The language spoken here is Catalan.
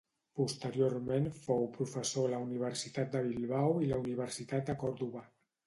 Posteriorment fou professor a la Universitat de Bilbao i la Universitat de Còrdova.